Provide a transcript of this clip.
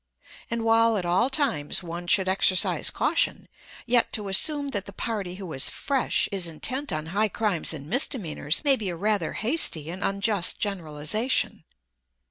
And while at all times one should exercise caution, yet to assume that the party who is "fresh" is intent on high crimes and misdemeanors may be a rather hasty and unjust generalization.